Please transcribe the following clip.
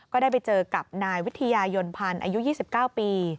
ก็ได้ไปเจอกับนายวิทยายนพันธ์อายุ๒๙ปี